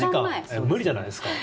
無理じゃないですか？